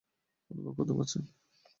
অনুভব করতে পারছেন?